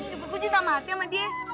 dibukuin gua cinta mati sama dia